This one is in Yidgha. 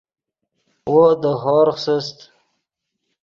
وو دے ہورغ سست